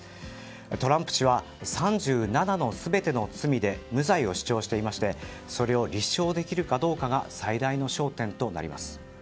トランプ氏は３７の全ての罪で無罪を主張していましてそれを立証できるかどうかが最大の焦点となります。